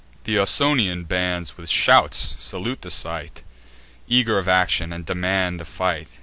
Th' Ausonian bands with shouts salute the sight, Eager of action, and demand the fight.